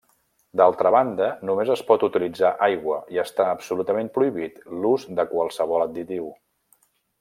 D'altra banda només es pot utilitzar aigua i està absolutament prohibit l'ús de qualsevol additiu.